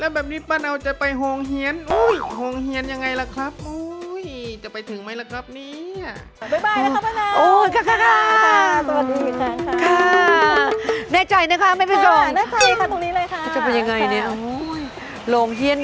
แล้วแบบนี้ป้าเนาจะไปห่วงเฮียนโอ้ยห่วงเฮียนยังไงล่ะครับโอ้ยจะไปถึงไหมล่ะครับเนี่ย